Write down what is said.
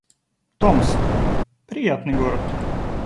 Томск — приятный город